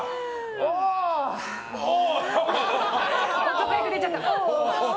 男役出ちゃった。